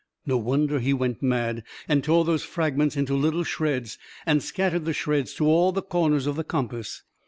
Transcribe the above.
No wonder he went mad, and tore those frag ments into little shreds, and scattered the shreds to all the corners of the compass.